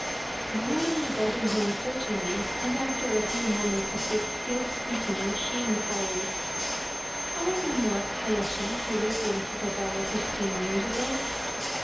The woman regarded him searchingly and after a few moments of this close scrutiny, she inquired :" Are you not Hayashi who lived in Fukagawa fifteen years ago